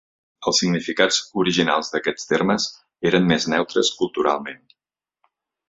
Els significats originals d'aquests termes eren més neutres culturalment.